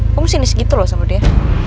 kamu sinis gitu loh sama dia